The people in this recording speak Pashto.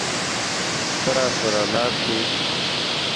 ته راسره لاړ شې.